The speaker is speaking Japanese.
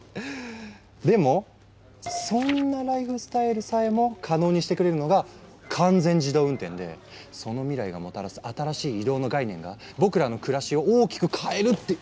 でもそんなライフスタイルさえも可能にしてくれるのが完全自動運転でその未来がもたらす新しい移動の概念が僕らの暮らしを大きく変えるって。